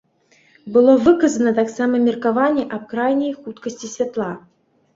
Было выказана таксама меркаванне аб крайняй хуткасці святла.